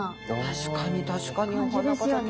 確かに確かにお花畑だ。